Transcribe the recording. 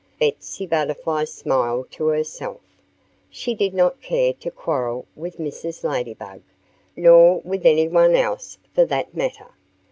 Betsy Butterfly smiled to herself. She did not care to quarrel with Mrs. Ladybug nor with anyone else, for that matter.